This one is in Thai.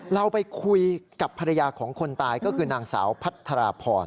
เราไปคุยกับภรรยาของคนตายก็คือนางสาวพัทราพร